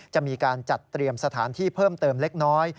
จะมีการจัดเตรียมสถานที่เพิ่มเติมเล็กน้อย